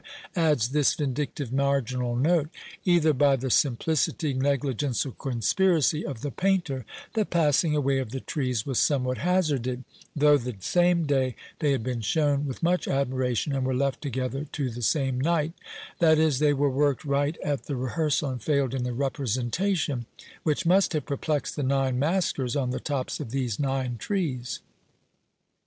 adds this vindictive marginal note: "Either by the simplicity, negligence, or conspiracy of the painter, the passing away of the trees was somewhat hazarded, though the same day they had been shown with much admiration, and were left together to the same night;" that is, they were worked right at the rehearsal, and failed in the representation, which must have perplexed the nine masquers on the tops of these nine trees.